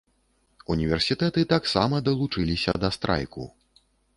Універсітэты таксама далучыліся да страйку.